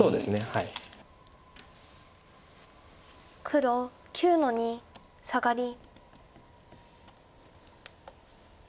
黒９の二サガリ。